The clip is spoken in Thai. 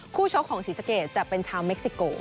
ชกของศรีสะเกดจะเป็นชาวเม็กซิโก